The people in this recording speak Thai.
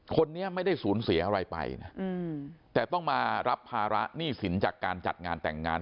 คนนี้ไม่ได้สูญเสียอะไรไปนะแต่ต้องมารับภาระหนี้สินจากการจัดงานแต่งงาน